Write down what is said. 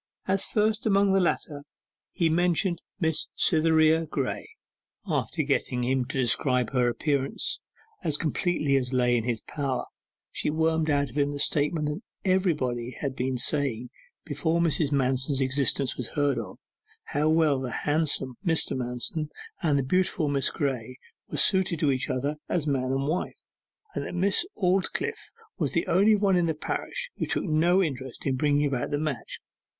As first among the latter he mentioned Miss Cytherea Graye. After getting him to describe her appearance as completely as lay in his power, she wormed out of him the statement that everybody had been saying before Mrs. Manston's existence was heard of how well the handsome Mr. Manston and the beautiful Miss Graye were suited for each other as man and wife, and that Miss Aldclyffe was the only one in the parish who took no interest in bringing about the match.